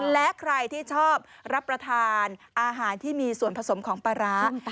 และใครที่ชอบรับประทานอาหารที่มีส่วนผสมของปลาร้า